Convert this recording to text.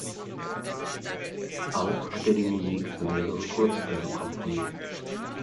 Auch hat er die Musik für mehrere Kurzfilme komponiert.